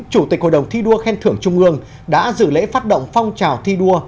chủ tịch hội đồng thi đua khen thưởng trung ương đã dự lễ phát động phong trào thi đua